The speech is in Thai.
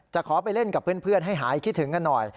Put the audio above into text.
ขอไปเล่นกับเพื่อนให้หายคิดถึงกันหน่อย